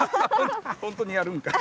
本当にやるんかい。